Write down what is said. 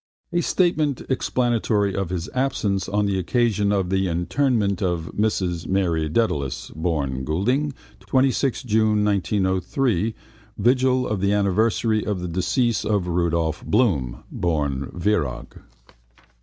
A statement explanatory of his absence on the occasion of the interment of Mrs Mary Dedalus (born Goulding), 26 June 1903, vigil of the anniversary of the decease of Rudolph Bloom (born Virag).